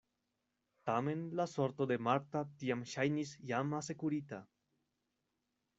Tamen la sorto de Marta tiam ŝajnis jam asekurita.